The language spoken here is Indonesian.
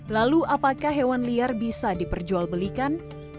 lalu apakah hewan liar bisa diperjualbelikan